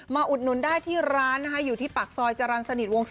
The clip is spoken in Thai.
มาอุดหนุนได้ที่ร้านอยู่ที่ปักศอยจัฬานสนิทวง๑๙